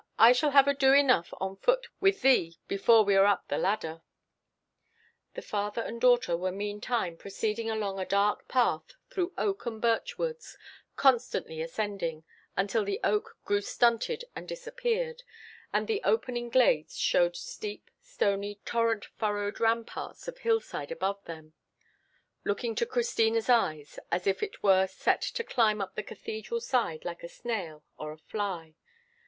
"I shall have ado enough on foot with thee before we are up the Ladder." The father and daughter were meantime proceeding along a dark path through oak and birch woods, constantly ascending, until the oak grew stunted and disappeared, and the opening glades showed steep, stony, torrent furrowed ramparts of hillside above them, looking to Christina's eyes as if she were set to climb up the cathedral side like a snail or a fly.